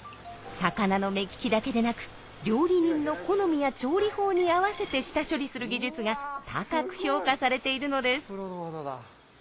魚の目利きだけでなく料理人の好みや調理法に合わせて下処理する技術が高く評価されているのです。